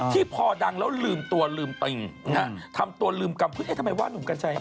ที่พอดังแล้วลืมตัวลืมตึงทำตัวลืมกรรมพื้นเอ๊ะทำไมว่าหนุ่มกัญชัย